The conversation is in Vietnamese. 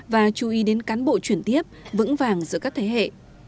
và chú ý đến cán bộ chuyển tiếp vững vàng giữa các thế hệ